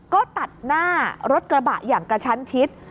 ก็ตัดหน้ารถกระบะอย่างกระชั้นชิด